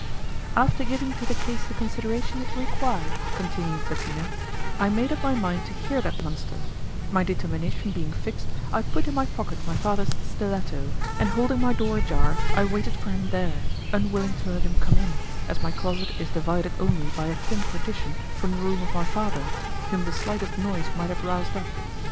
"After giving to the case the consideration it required," continued Bettina, "I made up my mind to hear that monster; but my determination being fixed, I put in my pocket my father's stilletto, and holding my door ajar I waited for him there, unwilling to let him come in, as my closet is divided only by a thin partition from the room of my father, whom the slightest noise might have roused up.